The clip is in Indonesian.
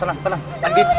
tenang tenang tenang